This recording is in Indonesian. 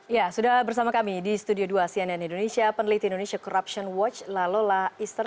ya sudah bersama kami di studio dua cnn indonesia peneliti indonesia corruption watch lalola easter